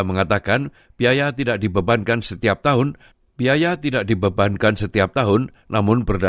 sehingga anda akan meminta uang yang berbeda untuk semua